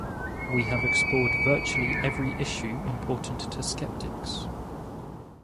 We have explored virtually every issue important to skeptics.